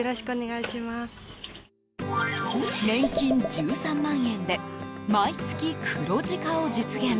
年金１３万円で毎月黒字化を実現。